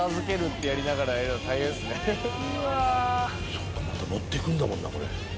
そうかまた持っていくんだもんなこれ。